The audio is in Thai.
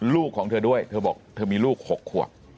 ลูกของเธอด้วยเธอบอกเธอมีลูก๖ขวบ